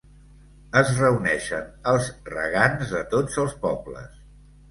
Es reuneixen els regants de tots els pobles.